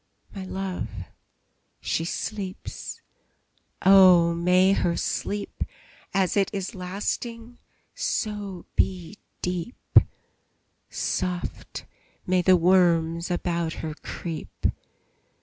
My love, she sleeps! Oh, may her sleep, As it is lasting, so be deep; Soft may the worms about her creep!